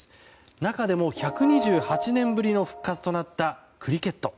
中でも１２８年ぶりの復活となったクリケット。